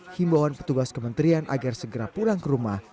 himbawan petugas kementerian agar segera pulang ke rumah